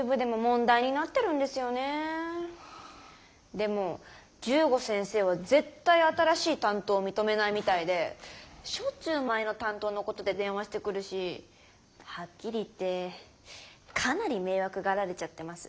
でも十五先生は絶対新しい担当を認めないみたいでしょっちゅう前の担当のことで電話してくるしはっきり言ってかなり迷惑がられちゃってます。